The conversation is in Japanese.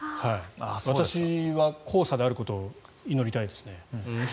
私は黄砂であることを祈りたいですね。